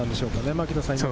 牧野さん。